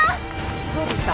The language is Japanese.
どうでした？